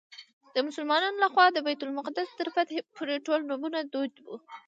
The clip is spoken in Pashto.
د مسلمانانو له خوا د بیت المقدس تر فتحې پورې ټول نومونه دود وو.